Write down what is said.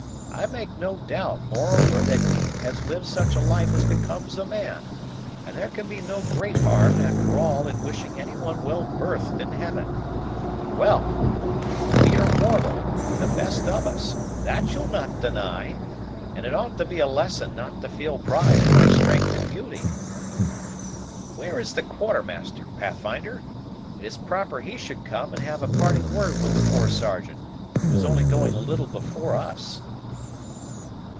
I make no doubt, moreover, that he has lived such a life as becomes a man, and there can be no great harm, after all, in wishing any one well berthed in heaven. Well! we are mortal, the best of us, that you'll not deny; and it ought to be a lesson not to feel pride in our strength and beauty. Where is the Quartermaster, Pathfinder? It is proper he should come and have a parting word with the poor Sergeant, who is only going a little before us."